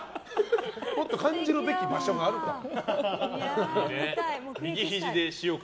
もっと感じるべき場所があるから。